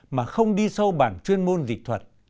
mà không đi sâu bảng chuyên môn dịch thuật